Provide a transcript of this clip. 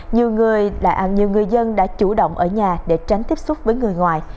nhiều người dân đã chủ động ở nhà để tránh tiếp xúc với người ngoài